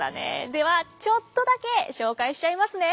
ではちょっとだけ紹介しちゃいますね。